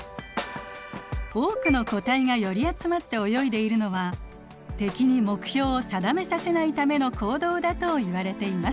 多くの個体が寄り集まって泳いでいるのは敵に目標を定めさせないための行動だといわれています。